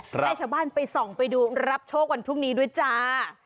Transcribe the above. ให้ชาวบ้านไปส่องไปดูรับโชควันพรุ่งนี้ด้วยจ้า